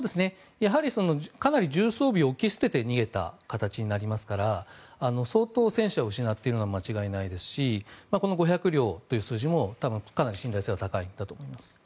かなり重装備を置き捨てて逃げた形になりますから相当、戦車を失っているのは間違いないですしこの５００両という数字もかなり信頼性は高いんだと思います。